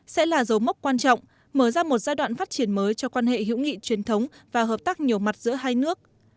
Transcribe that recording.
sẽ là dấu mốc quan trọng mở ra một giai đoạn phát triển mới cho quan hệ hữu nghị truyền thống và hợp tác nhiều mặt giữa hai nước